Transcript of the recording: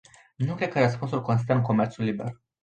Nu cred că răspunsul constă în comerțul liber.